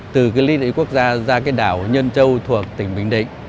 từ lưới điện quốc gia ra đảo nhân trong thuộc tỉnh bình định